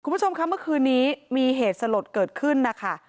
คุณผู้ชมคะเมื่อคืนนี้มีเหตุสลดเกิดขึ้นนะคะ